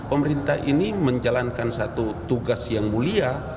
pemerintah ini menjalankan satu tugas yang mulia